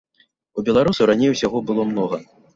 У беларусаў раней усяго было многа.